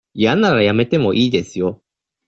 嫌ならやめてもいいですよ。